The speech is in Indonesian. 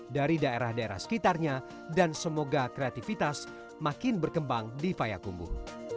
dari daerah daerah sekitarnya dan semoga kreativitas makin berkembang di payakumbuh